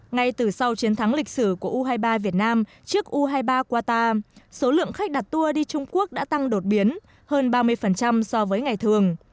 ngay từ sau chiến thắng lịch sử của u hai mươi ba việt nam trước u hai mươi ba qatar số lượng khách đặt tour đi trung quốc đã tăng đột biến hơn ba mươi so với ngày thường